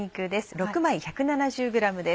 ６枚１７０ｇです。